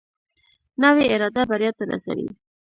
نوې اراده بریا ته رسوي